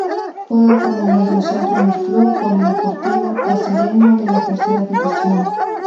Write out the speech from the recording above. Juega como mediocentro en el Club Polideportivo Cacereño de la Tercera División.